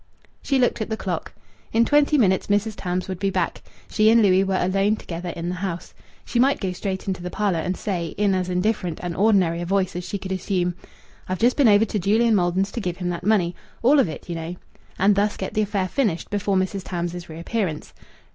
She looked at the clock. In twenty minutes Mrs. Tams would be back. She and Louis were alone together in the house. She might go straight into the parlour, and say, in as indifferent and ordinary a voice as she could assume: "I've just been over to Julian Maldon's to give him that money all of it, you know," and thus get the affair finished before Mrs. Tams's reappearance.